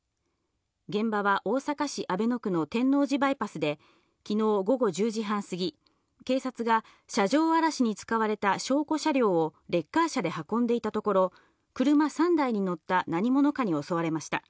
現場は大阪市阿倍野区の天王寺バイパスで昨日午後１０時半すぎ、警察が車上荒らしに使われた証拠車両をレッカー車で運んでいたところ、車３台に乗った何者かに襲われました。